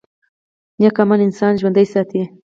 نیک عمل انسان ژوندی ساتي